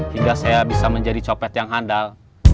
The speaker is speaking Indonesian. hingga saya bisa menjadi copet yang handal